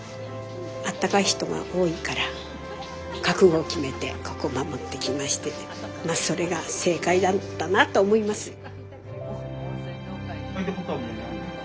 あったかい人が多いから覚悟を決めてここ守ってきましてまそれが正解だったなと思います。